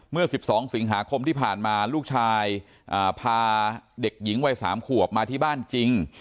เมื่อ๑๒สิงหาคมที่ผ่านมาลูกชายพาเด็กหญิงวัย๓ขวบมาที่บ้านจริง